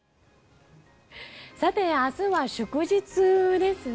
明日は祝日ですね。